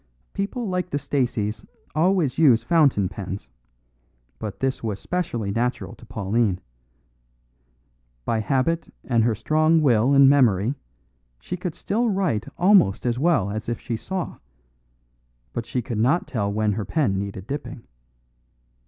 "People like the Staceys always use fountain pens; but this was specially natural to Pauline. By habit and her strong will and memory she could still write almost as well as if she saw; but she could not tell when her pen needed dipping.